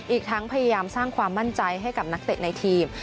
อีกทั้งพยายามสร้างความมั่นใจให้กับนักเตะในทีม